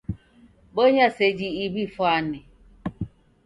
Bonya seji Iw'ifwane